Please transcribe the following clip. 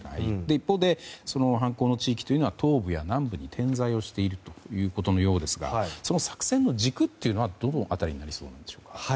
一方で反攻の地域は東部や南部に点在をしているということのようですがその作戦の軸というのはどの辺りになりそうなんですか。